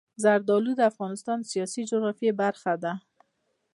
زردالو د افغانستان د سیاسي جغرافیه برخه ده.